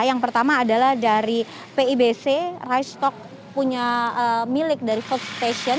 yang pertama adalah dari pibc rai stok punya milik dari soek station